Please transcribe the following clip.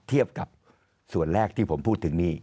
เทียบกับส่วนแรกที่ผมพูดถึงนี่